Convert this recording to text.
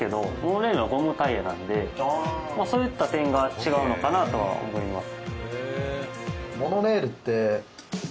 そういった点が違うのかなとは思います。